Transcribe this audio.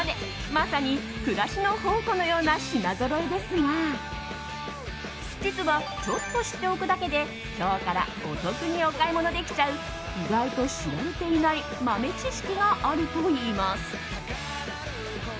まさに、暮らしの宝庫のような品ぞろえですが実はちょっと知っておくだけで今日からお得にお買いものできちゃう意外と知られていない豆知識があるといいます。